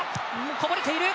こぼれている。